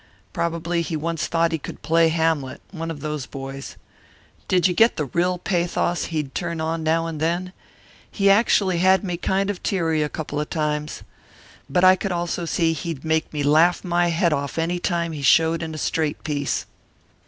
Probably he once thought he could play Hamlet one of those boys. Didn't you get the real pathos he'd turn on now and then? He actually had me kind of teary a couple of times. But I could see he'd also make me laugh my head off any time he showed in a straight piece.